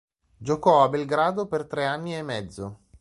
Giocò a Belgrado per tre anni e mezzo.